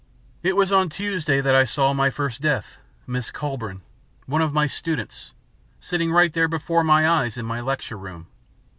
It was on Tuesday that I saw my first death Miss Collbran, one of my students, sitting right there before my eyes, in my lecture room.